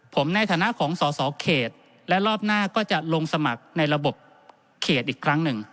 ผมในฐานะของสอสอเขตและรอบหน้าก็จะลงสมัครในระบบเขตอีกครั้งหนึ่ง